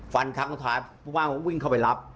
ฟันคลักบ้านผมก็วิ่งเข้าไปรับ